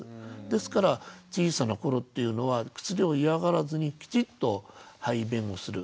ですから小さな頃っていうのは薬を嫌がらずにきちっと排便をする。